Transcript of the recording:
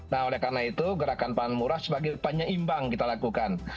nah oleh karena itu gerakan pangan murah sebagai penyeimbang kita lakukan